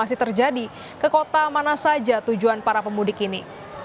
masih terjadi ke kota mana saja tujuan para pemudik ini